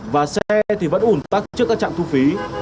và xe thì vẫn ủn tắc trước các trạm thu phí